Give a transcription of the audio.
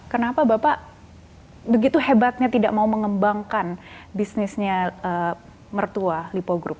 kenapa bapak begitu hebatnya tidak mau mengembangkan bisnisnya mertua lipo group